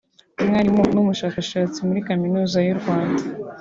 Umwarimu n’Umushakashatsi muri Kaminuza y’u Rwanda